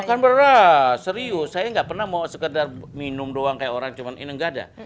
makan berah serius saya nggak pernah mau sekedar minum doang kayak orang cuman ini nggak ada